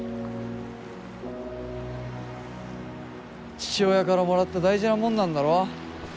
父親からもらった大事なもんなんだろ。